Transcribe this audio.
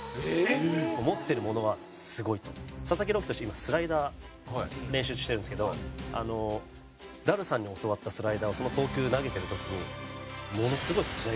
今スライダー練習してるんですけどダルさんに教わったスライダーを投球投げてる時に。